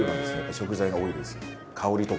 食材が多いです。